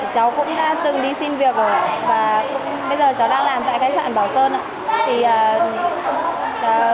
cháu cũng đã từng đi xin việc rồi và bây giờ cháu đã làm tại khách sạn bảo sơn ạ